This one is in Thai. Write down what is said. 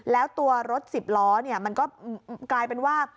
แล้วตัวรถสิบล้อมันก็กลายเป็นว่า